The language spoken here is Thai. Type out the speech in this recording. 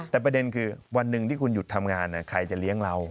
แต่ประเด็นคือวันหนึ่งที่คุณหยุดทำงานใครจะเลี้ยงเรา